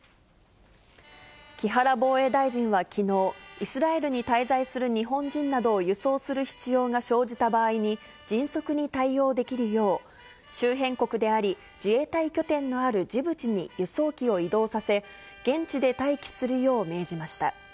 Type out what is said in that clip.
木原防衛大臣はきのう、イスラエルに滞在する日本人などを輸送する必要が生じた場合に、迅速に対応できるよう、周辺国であり、自衛隊拠点のあるジブチに輸送機を移動させ、現地で待機するよう命じました。